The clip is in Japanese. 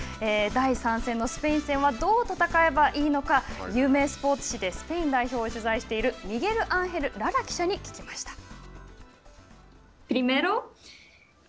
第３戦のスペイン戦はどう戦えばいいのか有名スポーツ紙でスペイン代表を取材しているミゲル・アンヘル・ララ記者に聞きました。